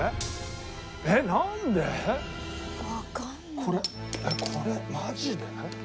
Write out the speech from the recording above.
これえっこれマジで？